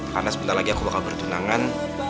karena sebentar lagi aku bakal bertunangan